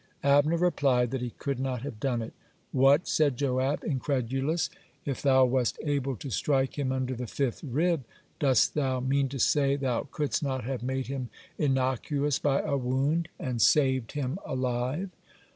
Abner replied that he could not have done it. "What," said Joab, incredulous, "if thou wast able to strike him under the fifth rib, dost thou mean to say thou couldst not have made him innocuous by a wound, and saved him alive?"